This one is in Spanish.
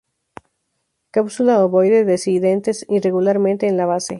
Cápsula ovoide, dehiscente irregularmente en la base.